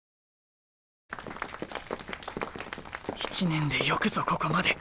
１年でよくぞここまで。